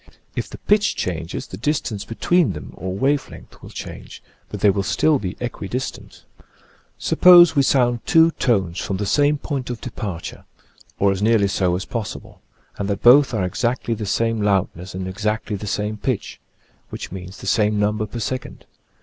If the pitch changes the distance between them (or wave length) will change, but they will still be equi distant. Suppose we sound two tones from the same 99 Original from UNIVERSITY OF WISCONSIN 100 tlature'a /iMraclee. point of departure — or as nearly so as possi ble — and that both are exactly the same loud ness and exactly the same pitch — which means the same number per second.